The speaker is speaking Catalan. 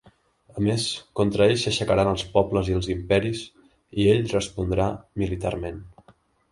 A més contra ell s'aixecaran els pobles i els imperis i ell respondrà militarment.